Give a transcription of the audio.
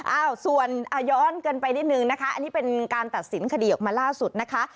อ้าวส่วนย้อนกันไปนิดนึงนะคะอันนี้เป็นการตัดสินคดีออกมาล่าสุดนะคะ